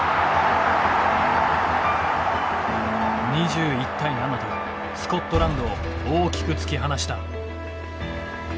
２１対７とスコットランドを大きく突き放した。